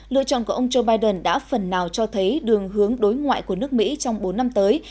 lựa chọn của ông joe biden đã phần nào cho thấy đường hướng đối ngoại của nước mỹ trong bốn năm tới